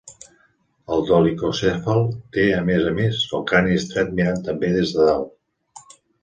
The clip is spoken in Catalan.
El dolicocèfal té a més a més el crani estret mirant també des de dalt.